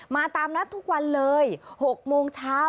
ตามนัดทุกวันเลย๖โมงเช้า